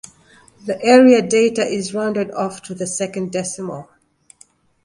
The area data is rounded off to the second decimal.